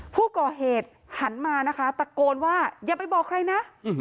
ผู้ก่อเหตุหันมานะคะตะโกนว่าอย่าไปบอกใครนะ